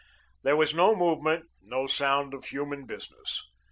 There was no movement, no sound of human business.